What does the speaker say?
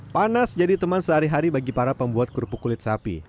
panas jadi teman sehari hari bagi para pembuat kerupuk kulit sapi